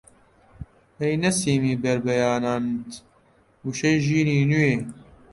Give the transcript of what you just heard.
ئەی نەسیمی بەربەیانانت وشەی ژینی نوێ!